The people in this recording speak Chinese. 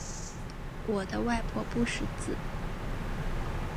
我的外婆不识字